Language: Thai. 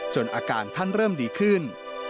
อาการท่านเริ่มดีขึ้น